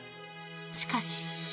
しかし。